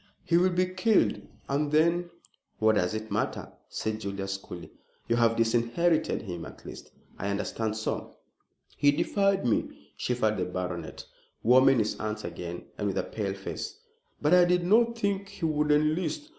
"He will be killed, and then " "What does it matter?" said Julius coolly "you have disinherited him at least, I understand so." "He defied me," shivered the baronet, warming his hands again and with a pale face; "but I did not think he would enlist.